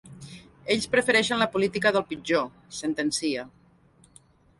Ells prefereixen la política del pitjor, sentencia.